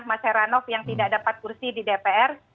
mas heranov yang tidak dapat kursi di dpr